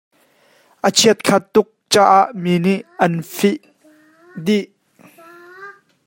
A chiatkhaat tuk caah mi nih an fih dih.